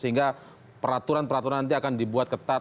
sehingga peraturan peraturan nanti akan dibuat ketat